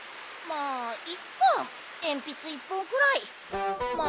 まあいっかえんぴつ１ぽんくらい。